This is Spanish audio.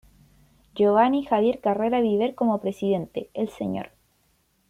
Geovanny Javier Carrera Viver como Presidente, el Sr.